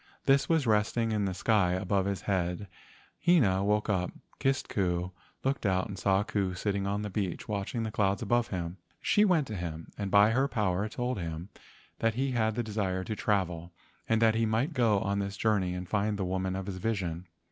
This was resting in the sky above his head. Hina woke up, missed Ku, looked out and saw Ku sitting on the beach watching the clouds above him. She went to him and by her power told him that he had the desire to travel and that he might 132 LEGENDS OF GHOSTS go on his journey and find the woman of his vision.